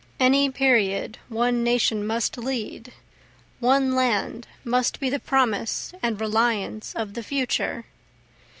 Any period one nation must lead, One land must be the promise and reliance of the future.